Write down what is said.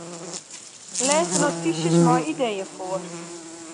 Lês de notysjes mei ideeën foar.